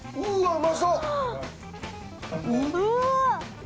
うまそう！